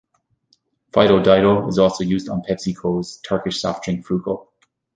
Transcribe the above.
Fido Dido is also used on PepsiCo's Turkish soft drink Fruko.